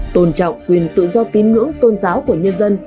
tôn trọng quyền tự do tín ngưỡng tôn giáo của nhân dân